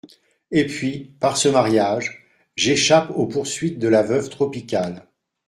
Et puis, par ce mariage, j’échappe aux poursuites de la veuve Tropical.